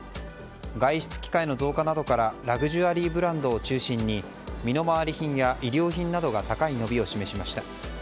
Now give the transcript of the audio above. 外出機会の増加などからラグジュアリーブランドを中心に身の回り品や衣料品などが高い伸びを示しました。